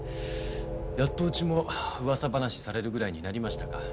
やっとうちも噂話されるぐらいになりましたか。